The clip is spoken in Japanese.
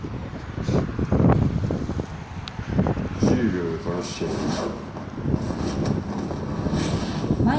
１０秒で殺してやるよ。